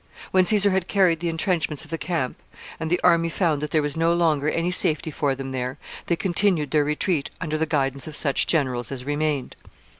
When Caesar had carried the intrenchments of the camp, and the army found that there was no longer any safety for them there, they continued their retreat under the guidance of such generals as remained.